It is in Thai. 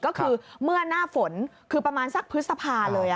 ก็คือเมื่อหน้าฝนคือประมาณสักพฤษภาเลย